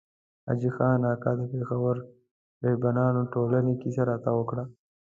حاجي خان اکا د پېښور رهبرانو ټولۍ کیسه راته وکړه.